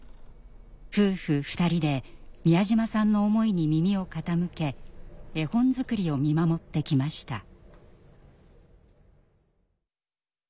夫婦２人で美谷島さんの思いに耳を傾け絵本作りを見守ってきました。